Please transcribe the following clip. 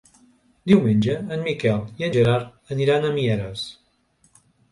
Diumenge en Miquel i en Gerard aniran a Mieres.